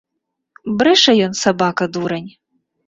Брэша ён, сабака, дурань.